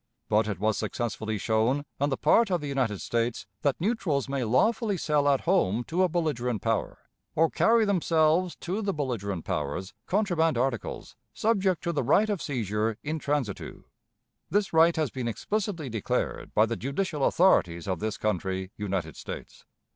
But it was successfully shown, on the part of the United States, that neutrals may lawfully sell at home to a belligerent power, or carry themselves to the belligerent powers, contraband articles, subject to the right of seizure in transitu. This right has been explicitly declared by the judicial authorities of this country [United States].